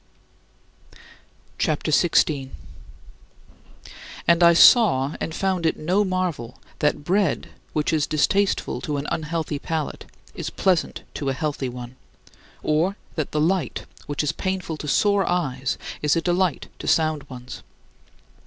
CHAPTER XVI 22. And I saw and found it no marvel that bread which is distasteful to an unhealthy palate is pleasant to a healthy one; or that the light, which is painful to sore eyes, is a delight to sound ones.